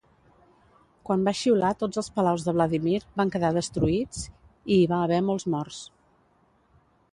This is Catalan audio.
Quan va xiular tots els palaus de Vladimir van quedar destruïts i hi va haver molts morts.